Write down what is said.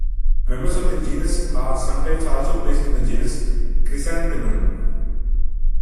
Members of this genus are sometimes also placed in the genus "Chrysanthemum".